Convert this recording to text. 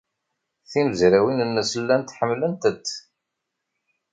Timezrawin-nnes llant ḥemmlent-t.